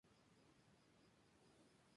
El modo multijugador.